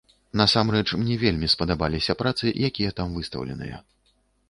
Насамрэч, мне вельмі спадабаліся працы, якія там выстаўленыя.